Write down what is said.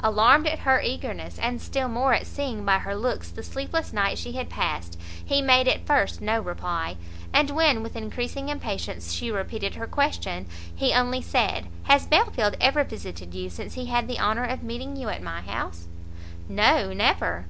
Alarmed at her eagerness, and still more at seeing by her looks the sleepless night she had passed, he made at first no reply; and when, with increasing impatience, she repeated her question, he only said, "Has Belfield ever visited you since he had the honour of meeting you at my house?" "No, never."